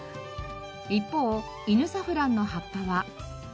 一方イヌサフランの葉っぱは。